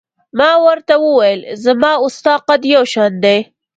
ما ورته وویل: زما او ستا قد یو شان دی.